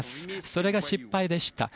それが失敗でした。